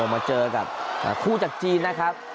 มาเจอกับคู่จากจีนนะครับ